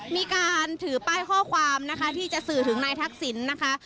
มีการถือป้ายข้อความนะคะที่จะสื่อถึงนายทักษิณนะคะ